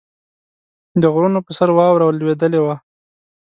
د غرونو پر سر واوره لوېدلې وه.